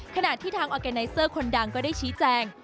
ขณะที่ทางออร์แกไนเซอร์คนดังก็ได้ชี้แจง